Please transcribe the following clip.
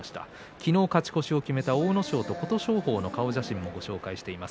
昨日勝ち越しを決めた阿武咲と琴勝峰の顔写真を紹介しています。